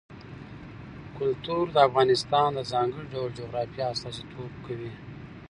کلتور د افغانستان د ځانګړي ډول جغرافیه استازیتوب کوي.